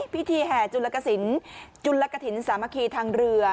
แห่จุลกสินจุลกฐินสามัคคีทางเรือ